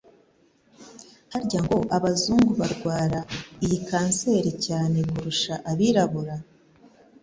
burya ngo abazungu barwara iyi kanseri cyane kurusha abirabura